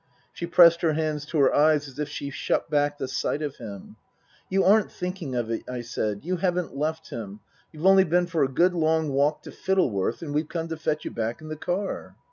She pressed her hands to her eyes as if she shut back the sight of him. " You aren't thinking of it," I said. " You haven't left him. You've only been for a good long walk to Fittleworth, and we've come to fetch you back in the car."